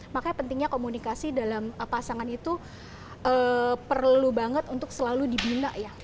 makanya pentingnya komunikasi dalam pasangan itu perlu banget untuk selalu dibina ya